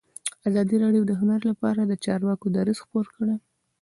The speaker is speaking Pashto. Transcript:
ازادي راډیو د هنر لپاره د چارواکو دریځ خپور کړی.